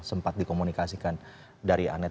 sempat dikomunikasikan dari anet